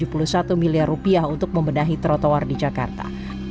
pemerintah tersebut mencari satu ratus tujuh puluh satu miliar rupiah untuk membenahi trotoar di jakarta